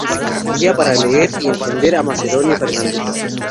Guía para leer y entender a Macedonio Fernández".